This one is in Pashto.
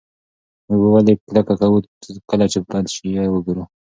موږ ولې کرکه کوو کله چې بد شی وګورو؟